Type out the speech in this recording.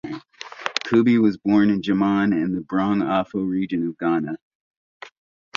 Kubi was born in Jaman in the Brong Ahafo region of Ghana.